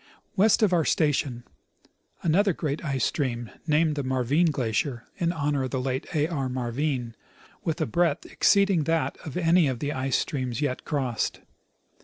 West of our station, another great ice stream, named the Marvine glacier, in honor of the late A. R. Marvine, flows southward with a breadth exceed ing that of any of the icy streams yet crossed.